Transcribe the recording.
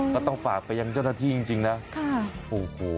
ก็ต้องฝากไปยังเจ้าหน้าที่จริงนะโอ้โห